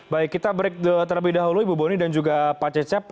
baik kita break terlebih dahulu ibu boni dan juga pak cecep